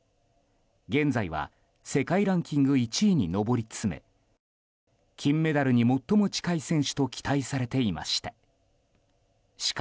現在は世界ランキング１位に上り詰め金メダルに最も近い選手と期待されていました。